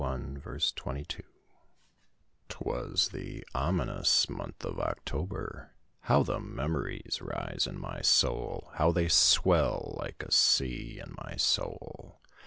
'Twas the ominous month of October How the memories rise in my soul! How they swell like a sea in my soul!